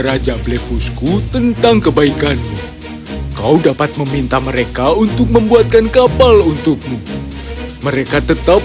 raja blefusku tentang kebaikanmu kau dapat meminta mereka untuk membuatkan kapal untukmu mereka tetap